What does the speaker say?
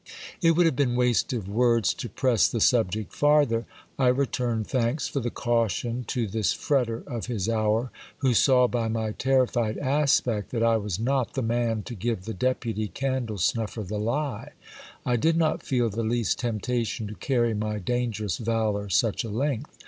It would have been waste of words to press the subject farther. I returned thanks for the caution to this fretter of his hour, who saw by my terrified aspect that I was not the man to give the deputy candle snuffer the lie. I did not feel the least temptation to carry my dangerous valour such a length.